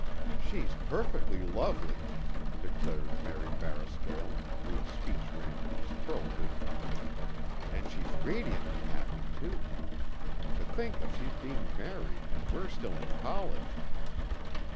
"She's perfectly lovely," declared Mary Barrascale, whose speech ran to superlatives, "and she's radiantly happy, too. To think that she's being married and we're still in college."